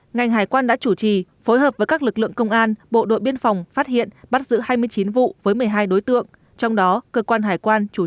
ngành hải quan đã chủ trì phối hợp với các lực lượng công an bộ đội biên phòng phát hiện bắt giữ hai mươi chín vụ với một mươi hai đối tượng trong đó cơ quan hải quan chủ trì hai mươi ba vụ